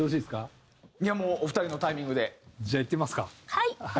はい。